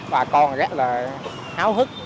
bà con rất là háo hức